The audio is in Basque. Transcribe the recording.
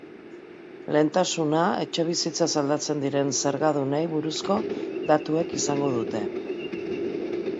Lehentasuna etxebizitzaz aldatzen diren zergadunei buruzko datuek izango dute.